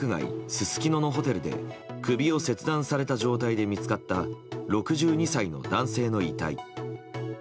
すすきののホテルで首を切断された状態で見つかった６２歳の男性の遺体。